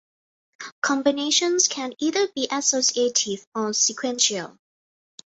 Combinations can either be associative or sequential.